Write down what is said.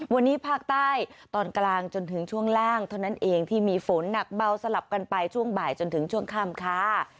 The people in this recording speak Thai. วันนี้ภาคใต้ตอนกลางจนถึงช่วงล่างเท่านั้นเองที่มีฝนหนักเบาสลับกันไปช่วงบ่ายจนถึงช่วงค่ำค่ะ